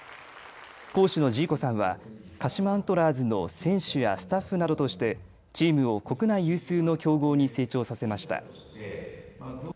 講師のジーコさんは鹿島アントラーズの選手やスタッフなどとしてチームを国内有数の強豪に成長させました。